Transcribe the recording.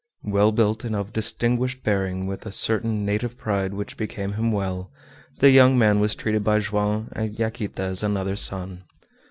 Well built, and of distinguished bearing, with a certain native pride which became him well, the young man was treated by Joam and Yaquita as another son.